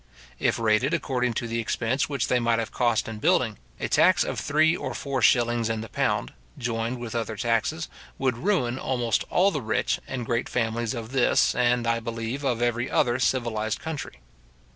If rated according to the expense which they might have cost in building, a tax of three or four shillings in the pound, joined with other taxes, would ruin almost all the rich and great families of this, and, I believe, of every other civilized country.